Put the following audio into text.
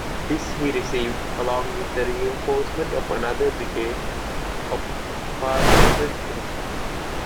This he received, along with the reinforcement of another brigade of Partisan forces.